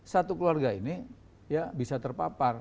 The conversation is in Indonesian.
satu keluarga ini ya bisa terpapar